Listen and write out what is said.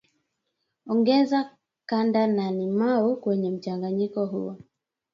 Ongeza ganda la limao kwenye mchanganyiko huo